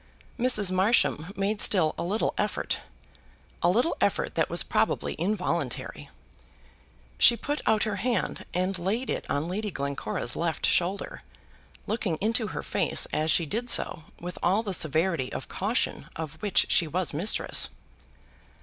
Mrs. Marsham made still a little effort, a little effort that was probably involuntary. She put out her hand, and laid it on Lady Glencora's left shoulder, looking into her face as she did so with all the severity of caution of which she was mistress.